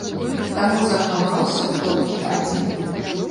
Таму захаваўся толькі адзін.